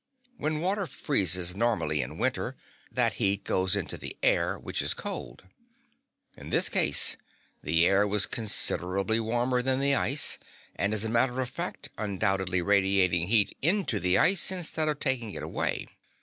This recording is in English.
When water freezes normally in winter that heat goes into the air, which is cold. In this case the air was considerably warmer than the ice, and was as a matter of fact, undoubtedly radiating heat into the ice, instead of taking it away.